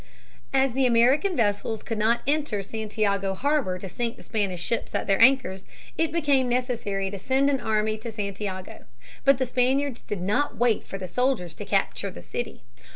As the American vessels could not enter Santiago harbor to sink the Spanish ships at their anchors, it became necessary to send an army to Santiago. But the Spaniards did not wait for the soldiers to capture the city.